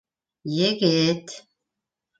- Егет...